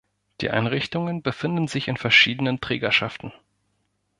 Die Einrichtungen befinden sich in verschiedenen Trägerschaften.